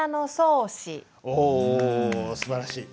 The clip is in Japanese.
おすばらしい。